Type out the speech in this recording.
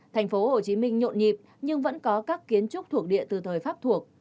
tp hcm nhộn nhịp nhưng vẫn có các kiến trúc thuộc địa từ thời pháp thuộc